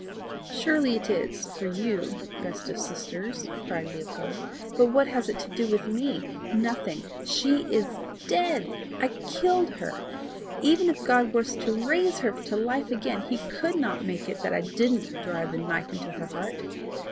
"Surely it is for you, best of sisters," cried Leopold; "but what has it to do with me? Nothing. She is DEAD I killed her. Even if God were to raise her to life again, HE could not make it that I didn't drive the knife into her heart!